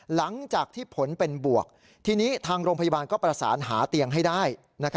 หลังจากที่ผลเป็นบวกทีนี้ทางโรงพยาบาลก็ประสานหาเตียงให้ได้